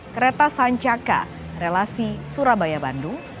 kereta sancaka relasi surabaya bandung